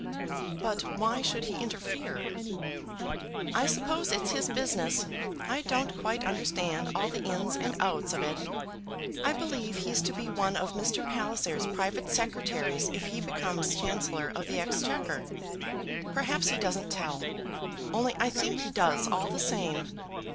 "But why should he interfere?" "I suppose it's his business. I don't quite understand all the ins and outs of it. I believe he's to be one of Mr. Palliser's private secretaries if he becomes Chancellor of the Exchequer. Perhaps he doesn't tell; only I think he does all the same.